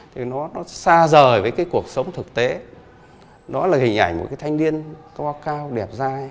thì nó xa rời với cái cuộc sống thực tế nó là hình ảnh một cái thanh niên to cao đẹp dai